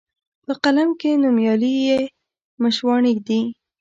په قلم کښي نومیالي یې مشواڼي دي